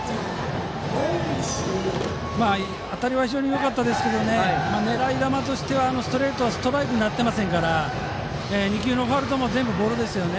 当たりは非常によかったですが狙い球としてはストレートはストライクになっていませんから２球のファウルとも全部ボールでしたよね。